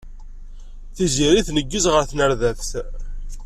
Tiziri tneggez ɣer tnerdabt.